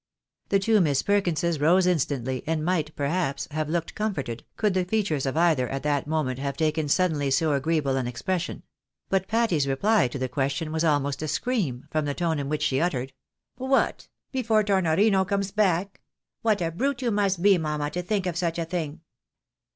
The two Miss Perkinses rose instantly, and might, perhaps, have looked comforted, could the features of either at that mo ment have taken suddenly so agreeable an expression ; but Patty's reply to the question was almost a scream, from the tone in which she uttered —" What ! before Tornorino comes back ? What a brute you must be, mamma, to think of such a thing